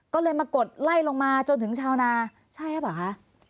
ก็เลยมากดไล่ลงมาจนถึงชาวนาใช่หรือเปล่าคะ